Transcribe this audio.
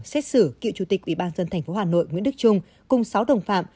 xét xử cựu chủ tịch ủy ban dân tp hà nội nguyễn đức trung cùng sáu đồng phạm